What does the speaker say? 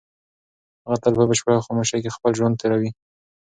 هغه تل په بشپړه خاموشۍ کې خپل ژوند تېروي.